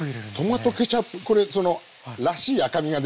トマトケチャップこれらしい赤みが出るじゃないですか。